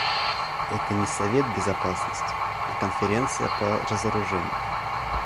Это не Совет Безопасности, а Конференция по разоружению.